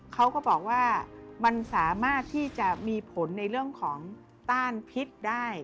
เขาก็บอกว่ามันสามารถที่จะมีผลในเรื่องของต้านพิษได้